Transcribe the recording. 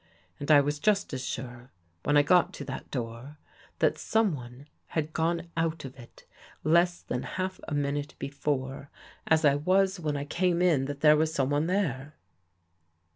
And I was just as sure, when I got to that door, that someone had gone out of It less than half a minute before, as I was when I came In that there was someone there."